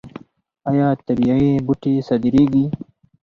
آیا طبیعي بوټي صادریږي؟